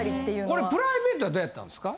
これプライベートはどうやったんですか？